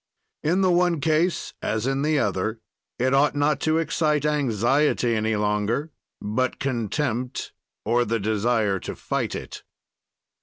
"In the one case, as in the other, it ought not to excite anxiety any longer, but contempt or the desire to fight it.